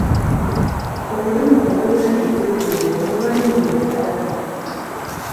Obulamu obulina ekiruubirirwa buba n'ennyingo ssatu